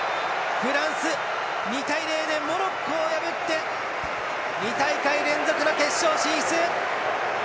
フランス２−０でモロッコを破って２大会連続の決勝進出。